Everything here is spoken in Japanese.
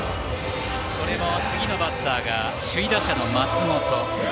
次のバッターが首位打者の松本。